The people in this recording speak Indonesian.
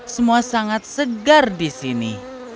semua sangat segar di sini